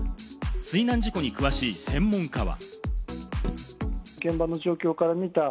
水難事故に詳しい専門家は。